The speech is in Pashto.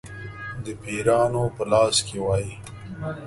د پیرانو په لاس کې وای.